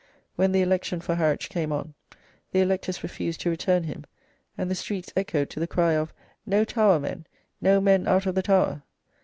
When the election for Harwich came on, the electors refused to return him, and the streets echoed to the cry of "No Tower men, no men out of the Tower!"